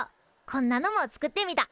こんなのも作ってみた。